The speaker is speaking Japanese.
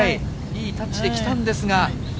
いいタッチできたんですが。